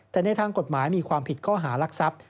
แต่ในทางกฎหมายมีความผิดข้อหารักทรัพย์